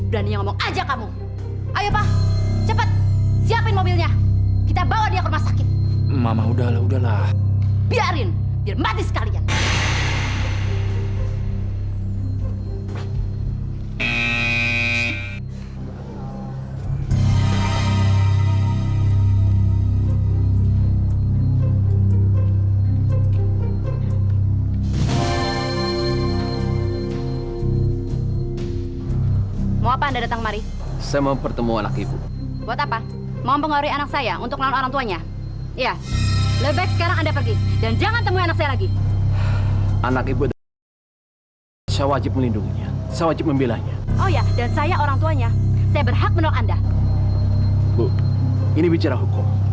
dan kalau mama sangat marah